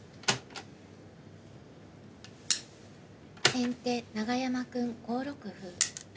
先手永山くん５六歩。